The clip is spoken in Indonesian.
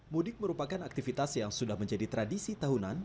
mudik merupakan aktivitas yang sudah menjadi tradisi tahunan